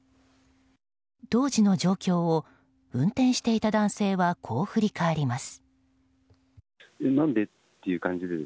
当時の状況を運転していた男性はこう振り返ります。